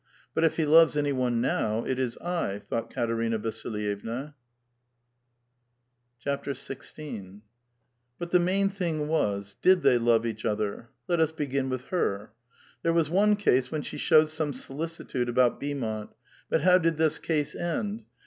But if he loves any one now, it is I," thought Katerina Vasilvevua. XVI. But the main thing was, did they love each other? Let us begin with her. There was one case when she showed some solicitude about Beaumont ; but how did this case end?